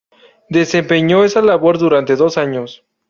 Desempeñó esa labor durante dos años.